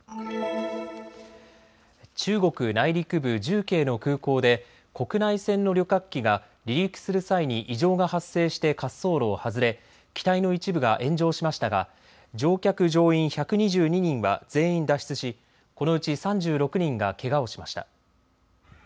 中国内陸部重慶の空港で国内線の旅客機が離陸する際に異常が発生して滑走路を外れ機体の一部が炎上しましたが乗客乗員１２２人は全員脱出しこのうち３６人がけがをしました。